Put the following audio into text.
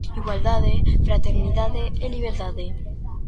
Igualdade, fraternidade e liberdade!